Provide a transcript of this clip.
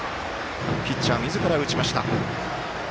ピッチャーみずから打ちました。